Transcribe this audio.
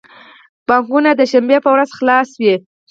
بانکونه د شنبی په ورځ خلاص وی